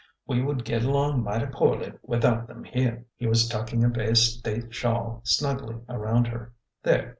We would get along mighty porely without them here." He was tucking a Bay State shawl snugly around her. "There!